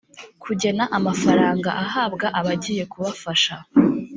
kugena amafaranga ahabwa abagiye kubafasha